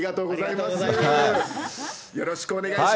よろしくお願いします。